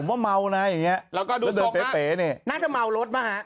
ผมว่าเมานะอย่างเงี้ยแล้วก็ดูสกฮะแล้วเดินเป๊ะเป๊ะเนี้ยน่าจะเมารถมั้ยฮะ